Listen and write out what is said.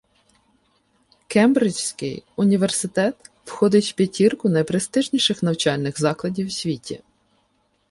Кембриджський університет входить в п'ятірку найпрестижніших навчальних закладів у світі.